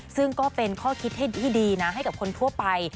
ซึ่งก็เป็นข้อคิดให้ที่ดีนะให้กับคนทั่วไป